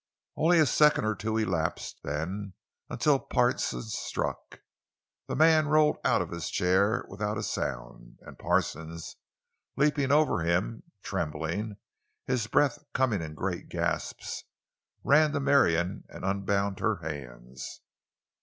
Only a second or two elapsed then until Parsons struck. The man rolled out of his chair without a sound, and Parsons, leaping over him, trembling, his breath coming in great gasps, ran to Marion and unbound her hands.